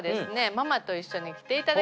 ママと一緒に来ていただきました。